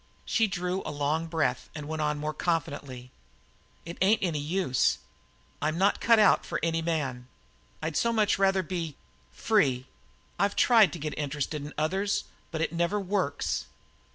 She drew a long breath and went on more confidently: "It ain't any use; I'm not cut out for any man I'd so much rather be free. I've tried to get interested in others, but it never works."